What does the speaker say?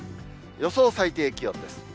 予想最低気温です。